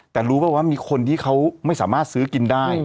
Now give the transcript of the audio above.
แต่รู้ป่ะว่ามีคนที่เขาไม่สามารถซื้อกินได้